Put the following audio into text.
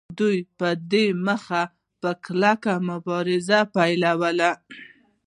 دوی په دې موخه په کلکه مبارزه پیلوي